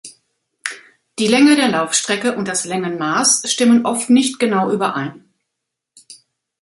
Die Länge der Laufstrecke und das Längenmaß stimmen oft nicht genau überein.